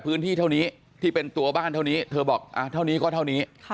เท่านี้ที่เป็นตัวบ้านเท่านี้เธอบอกเท่านี้ก็เท่านี้